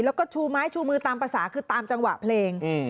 แล้วก็ชูไม้ชูมือตามภาษาคือตามจังหวะเพลง